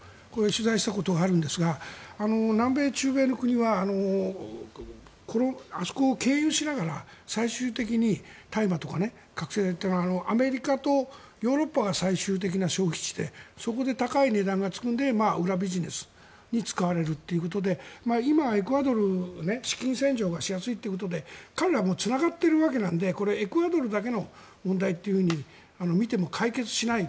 取材したことがあるんですが南米、中米の国はあそこを経由しながら覚醒剤というのはアメリカやヨーロッパが最終的な消費地でそこで高い値段がつくので裏ビジネスに使われるということで今、エクアドルは資金洗浄がしやすいということで彼らはつながっているということなのでエクアドルだけを見ても解決しない。